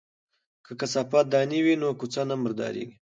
که کثافات دانی وي نو کوڅه نه مرداریږي.